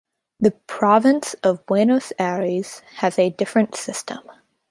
The Province of Buenos Aires has a different system.